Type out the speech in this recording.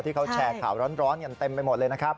ที่เขาแชร์ข่าวร้อนกันเต็มไปหมดเลยนะครับ